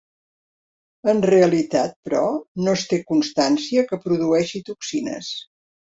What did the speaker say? En realitat, però, no es té constància que produeixi toxines.